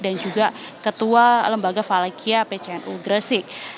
dan juga ketua lembaga valekia pcnu gresik